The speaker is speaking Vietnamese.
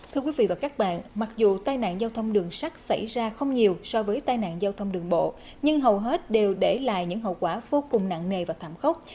thưa quý vị và các bạn mặc dù tai nạn giao thông đường sắt xảy ra không nhiều so với tai nạn giao thông đường bộ nhưng hầu hết đều để lại những hậu quả vô cùng nặng nề và thảm khốc